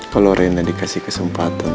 kalau rena dikasih kesempatan